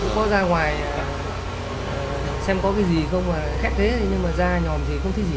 có ra ngoài xem có cái gì không mà khét thế nhưng mà ra nhòm thì không thấy gì cả